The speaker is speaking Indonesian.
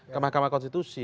ke mahkamah konstitusi